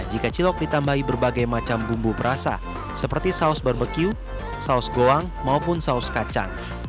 jika cilok ditambahi berbagai macam bumbu berasa seperti saus barbecue saus goang maupun saus kacang